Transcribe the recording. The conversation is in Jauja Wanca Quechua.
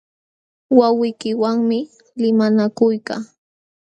Wawqiykiwanmi limanakuykaa.